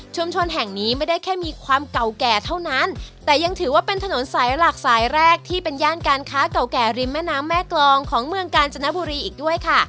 ชนแห่งนี้ไม่ได้แค่มีความเก่าแก่เท่านั้นแต่ยังถือว่าเป็นถนนสายหลักสายแรกที่เป็นย่านการค้าเก่าแก่ริมแม่น้ำแม่กรองของเมืองกาญจนบุรีอีกด้วยค่ะ